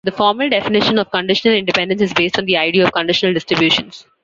The formal definition of conditional independence is based on the idea of conditional distributions.